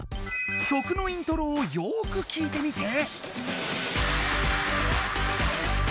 曲のイントロをよくきいてみて！